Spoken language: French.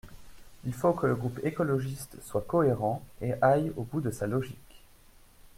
Il faut que le groupe écologiste soit cohérent et aille au bout de sa logique.